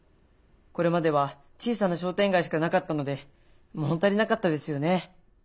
これまでは小さな商店街しかなかったので物足りなかったですよね。